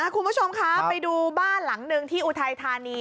คุณผู้ชมคะไปดูบ้านหลังหนึ่งที่อุทัยธานี